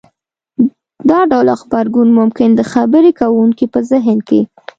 دا ډول غبرګون ممکن د خبرې کوونکي په زهن کې